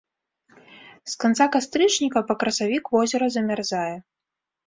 З канца кастрычніка па красавік возера замярзае.